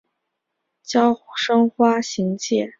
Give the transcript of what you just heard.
娇生花形介为粗面介科花形介属下的一个种。